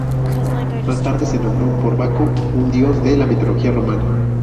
Más tarde se nombró por Baco, un dios de la mitología romana.